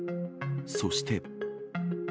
そして。